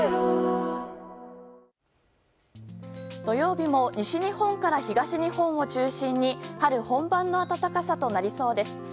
土曜日も西日本から東日本を中心に春本番の暖かさとなりそうです。